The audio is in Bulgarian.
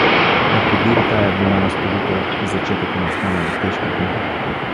Но подир тая голяма сполука за четата настанали тежки дни.